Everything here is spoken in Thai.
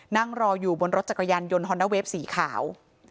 นั่งรออยู่บนรถจักรยานยนต์ฮอนด้าเวฟสีขาว